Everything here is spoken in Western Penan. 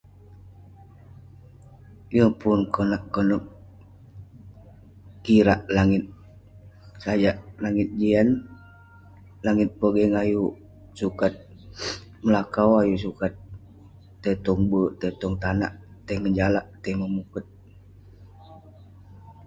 Yeng pun konak konep ,kirak langit...sajak langit jian, langit pogeng ayuk sukat melakau, ayuk sukat tai tong berk, tai tong tanak, tai ngejalak, tai memukert..